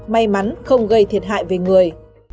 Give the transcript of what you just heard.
may mắn không gây thiệt hại về người